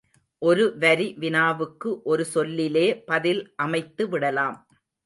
ஒரு வரி வினாவுக்கு ஒரு சொல்லிலே பதில் அமைத்து விடலாம்.